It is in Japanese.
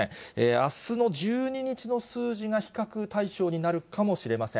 あすの１２日の数字が比較対象になるかもしれません。